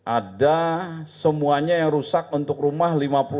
ada semuanya yang rusak untuk rumah lima puluh enam tiga ratus sebelas